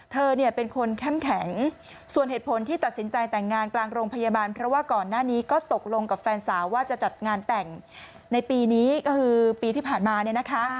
เธอเนี่ยเป็นคนเข้มแข็งส่วนเหตุผลที่ตัดสินใจแต่งงานกลางโรงพยาบาลเพราะว่าก่อนหน้านี้ก็ตกลงกับแฟนสาวว่าจะจัดงานแต่งในปีนี้ก็คือปีที่ผ่านมาเนี่ยนะคะ